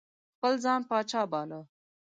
خپل ځان پاچا باله.